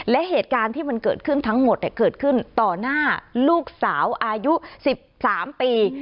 และเหตุการณ์ที่มันเกิดขึ้นทั้งหมดเกิดขึ้นต่อหน้าลูกสาวอายุ๑๓ปี